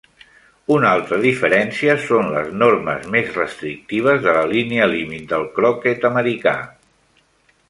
Una altra diferència són les normes més restrictives de la línia límit del croquet americà.